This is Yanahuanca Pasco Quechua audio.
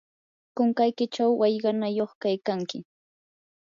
kunkaykichaw wallqanayuq kaykanki.